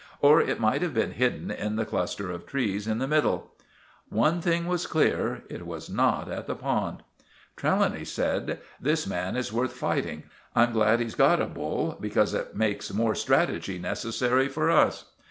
Or it might have been hidden in the cluster of trees in the middle. One thing was clear. It was not at the pond. Trelawny said— "This man is worth fighting. I'm glad he's got a bull, because it makes more strategy necessary for us."